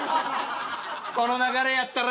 その流れやったら。